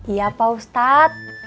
iya pak ustadz